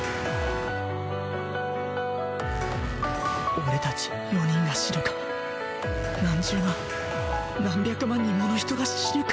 俺達４人が死ぬか何十万何百万人もの人が死ぬか